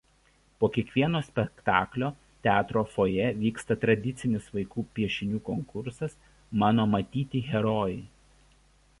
Po kiekvieno spektaklio teatro fojė vyksta tradicinis vaikų piešinių konkursas „Mano matyti herojai“.